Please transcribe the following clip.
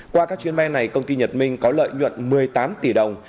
qua các chuyến bay này công ty nhật minh có lợi nhuận một mươi tám tỷ đồng